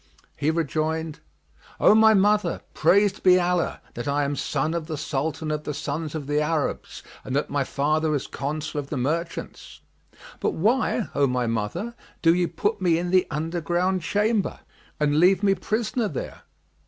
He rejoined, "O my mother, praised be Allah, that I am son of the Sultan of the Sons of the Arabs and that my father is Consul of the merchants! But why, O my mother, do ye put me in the underground chamber and leave me prisoner there?"